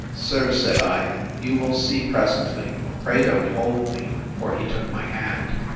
Sir, said I, you will see presently; pray don't hold me; for he took my hand.